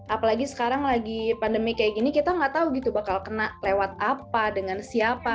apalagi sekarang lagi pandemi kayak gini kita nggak tahu gitu bakal kena lewat apa dengan siapa